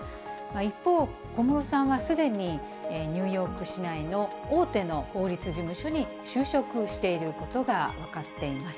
一方、小室さんはすでに、ニューヨーク市内の大手の法律事務所に就職していることが分かっています。